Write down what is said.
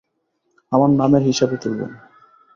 আমার নামের হিসাবে তুলবেন।